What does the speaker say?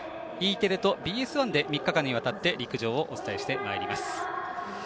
ＥテレとＢＳ１で３日間にわたって陸上をお伝えしてまいります。